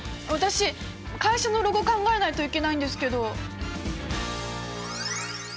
私会社のロゴ考えないといけないんですけど！